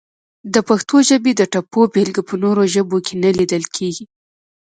د پښتو ژبې د ټپو بېلګه په نورو ژبو کې نه لیدل کیږي!